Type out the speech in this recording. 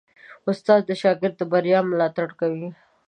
استاد د شاګرد د بریا ملاتړ کوي.